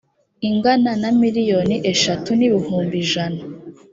ingana na miliyoni eshatu n ibihumbi ijana